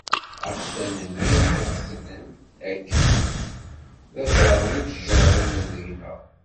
Axtan-nni i ɣ-xetnen akken, d ajerrem i ttjerrimen deg-neɣ.